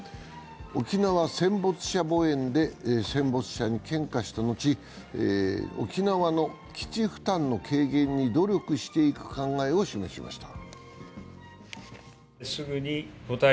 沖縄戦没者墓苑で戦没者に献花した後、沖縄の基地負担の軽減に努力していく考えを示しました。